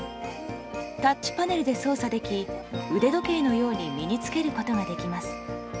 タッチパネルで操作でき腕時計のように身に着けることができます。